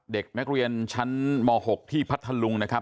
เด็กนักเรียนชั้นม๖ที่พัทธลุงนะครับ